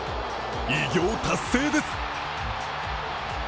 偉業達成です。